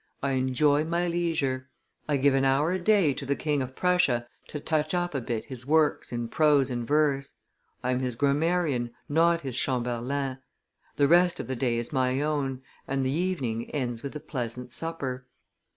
I enjoy my leisure. I give an hour a day to the King of Prussia to touch up a bit his works in prose and verse; I am his grammarian, not his chamberlain. The rest of the day is my own, and the evening ends with a pleasant supper.